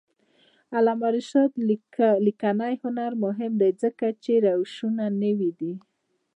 د علامه رشاد لیکنی هنر مهم دی ځکه چې روشونه نوي دي.